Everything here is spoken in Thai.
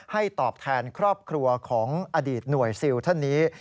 ตอบแทนครอบครัวของอดีตหน่วยซิลท่านนี้